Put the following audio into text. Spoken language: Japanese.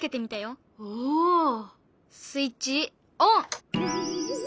スイッチオン！